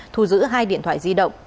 thu giữ hai điện thoại di động